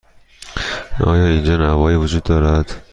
آیا اینجا نانوایی وجود دارد؟